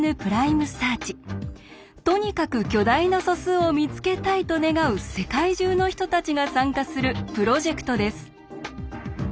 とにかく巨大な素数を見つけたいと願う世界中の人たちが参加するプロジェクトです。